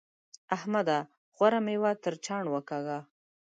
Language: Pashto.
احمده! غوره مېوه تر چاڼ وکاږه.